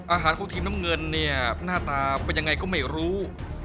อาหารของทีมน้ำเงินเนี่ยหน้าตาเป็นยังไงก็ไม่รู้